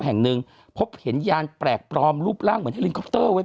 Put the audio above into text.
แห่งหนึ่งพบเห็นยานแปลกปลอมรูปร่างเหมือนเฮลินคอปเตอร์ไว้